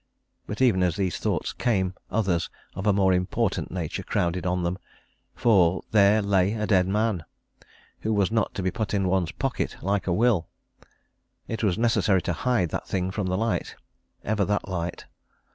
But even as these thoughts came, others of a more important nature crowded on them. For there lay a dead man, who was not to be put in one's pocket, like a will. It was necessary to hide that thing from the light ever that light.